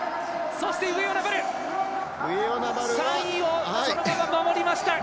そして、上与那原３位をそのまま守りました！